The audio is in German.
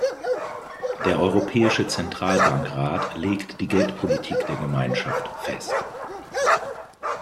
Der Europäische Zentralbankrat legt die Geldpolitik der Gemeinschaft fest.